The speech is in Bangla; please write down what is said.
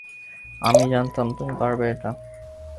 আমি জানতাম তুমি পারবে এটা।